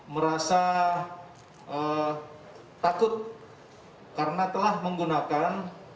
merasa takut karena telah menggunakan